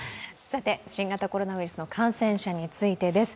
さて、新型コロナウイルスの感染者についてです。